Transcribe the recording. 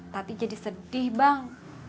tapi jadi sedih bang